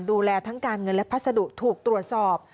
ดูแลทั้งการเงินและพัสดุถูกตรวจสอบ